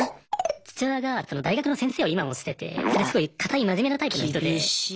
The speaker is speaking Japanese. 父親が大学の先生を今もしててそれですごい堅い真面目なタイプの人で。